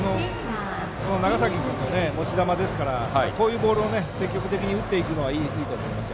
長崎君の持ち球ですからこういうボールを積極的に打っていくのはいいと思います。